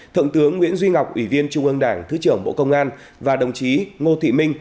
thượng tướng nguyễn duy ngọc ủy viên trung ương đảng thứ trưởng bộ công an và đồng chí ngô thị minh